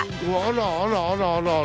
あらあらあらあら。